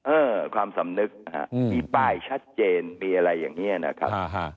เออความสำนึกมีป้ายชัดเจนมีอะไรอย่างนี้นะครับ